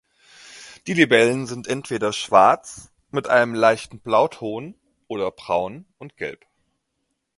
Die Libellen sind entweder schwarz mit einem leichten Blauton oder braun und gelb.